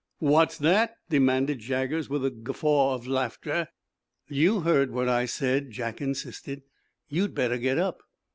"What's that?" demanded Jaggers, with a guffaw of laughter. "You heard what I said," Jack insisted. "You'd better get up."